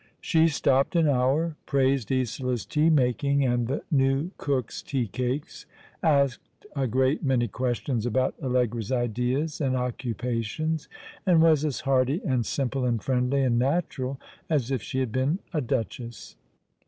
She stopped an hour, praised Isola's tea making and the new cook's tea cakes, asked a great many questions about Allegra's ideas and occupations, and was as hearty, and simple, and friendly, and natural as if she had been a duchess.